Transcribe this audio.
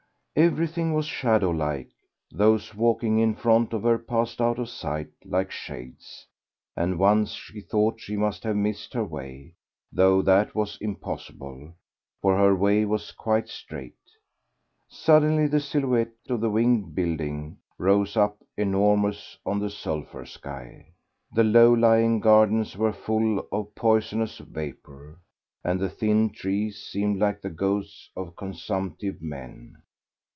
Everything was shadow like; those walking in front of her passed out of sight like shades, and once she thought she must have missed her way, though that was impossible, for her way was quite straight.... Suddenly the silhouette of the winged building rose up enormous on the sulphur sky. The low lying gardens were full of poisonous vapour, and the thin trees seemed like the ghosts of consumptive men.